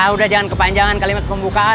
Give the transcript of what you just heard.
udah jangan kepanjangan kalimat pembukaan